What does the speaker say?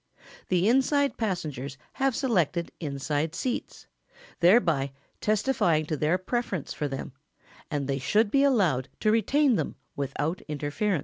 The inside passengers have selected inside seats, thereby testifying to their preference for them, and they should be allowed to retain them without interference.